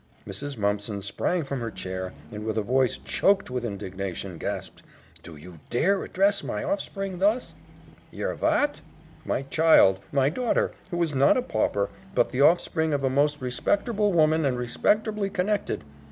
Mrs. Mumpson sprang from her chair, and with a voice choked with indignation, gasped, "Do you dare address my offspring thus?" "Yer vat?" "My child, my daughter, who is not a pauper, but the offspring of a most respecterble woman and respecterbly connected.